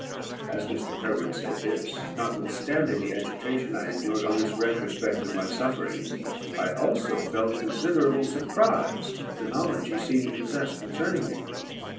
As Mr. Kirwin said this, notwithstanding the agitation I endured on this retrospect of my sufferings, I also felt considerable surprise at the knowledge he seemed to possess concerning me.